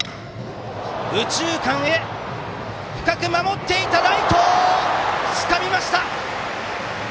右中間深く守っていたライトがつかみました！